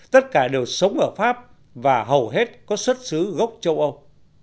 tất cả đều sống ở pháp và hầu hết có xuất xứ gốc châu âu